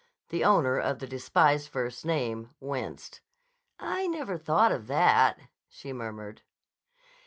The owner of the despised first name winced. "I never thought of that," she murmured.